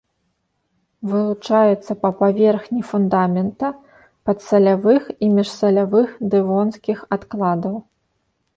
Вылучаецца па паверхні фундамента, падсалявых і міжсалявых дэвонскіх адкладаў.